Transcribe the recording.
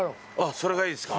それがいいですか？